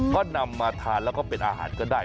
ก็นำมาทานแล้วก็เป็นอาหารก็ได้